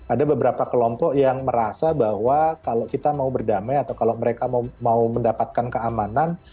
ada beberapa kelompok yang merasa bahwa kalau kita mau berdamai atau kalau mereka mau mendapatkan keamanan